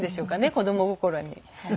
子供心に。